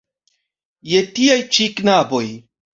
Je tiaj ĉi knaboj!